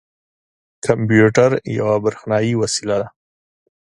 کمپیوټر یوه بریښنايې وسیله ده.